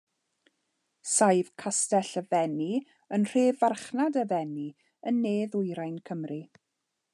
Saif Castell y Fenni yn nhref farchnad y Fenni, yn ne-ddwyrain Cymru.